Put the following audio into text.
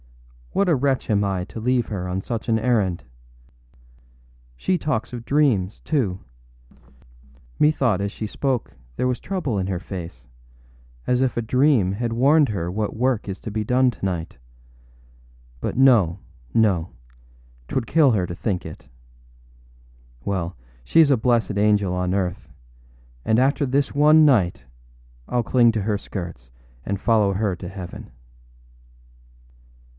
âWhat a wretch am I to leave her on such an errand! She talks of dreams, too. Methought as she spoke there was trouble in her face, as if a dream had warned her what work is to be done tonight. But no, no; âtwould kill her to think it. Well, sheâs a blessed angel on earth; and after this one night Iâll cling to her skirts and follow her to heaven.